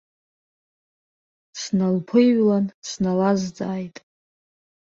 Сналԥыҩлан сналазҵааит.